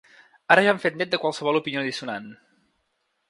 Ara ja han fet net de qualsevol opinió dissonant.